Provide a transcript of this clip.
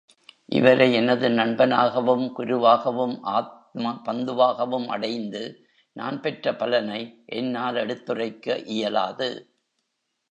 இவரை எனது நண்பனாகவும் குருவாகவும் ஆத்ம பந்துவாகவும் அடைந்து நான் பெற்ற பலனை என்னால் எடுத்துரைக்க இயலாது.